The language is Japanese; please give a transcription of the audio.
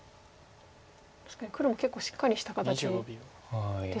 確かに黒も結構しっかりした形ですよね。